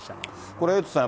これエイトさん